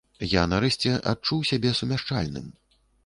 Я, нарэшце, адчуў сябе сумяшчальным.